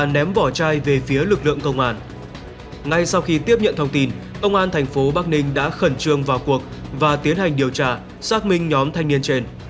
ngay sau khi tiếp nhận thông tin công an thành phố bắc ninh đã khẩn trương vào cuộc và tiến hành điều tra xác minh nhóm thanh niên trên